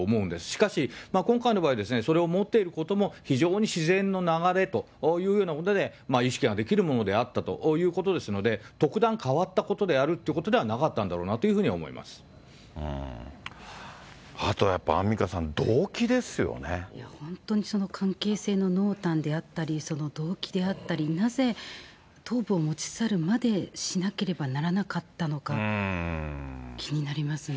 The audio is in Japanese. しかし、今回の場合ですね、それを持っていることも非常に自然の流れというようなことで、意識ができるものであったということですので、特段変わったことであるということではなかったんだろうなというあとはやっぱ、アンミカさん、本当にその関係性の濃淡であったり、動機であったり、なぜ、頭部を持ち去るまでしなければならなかったのか、気になりますね。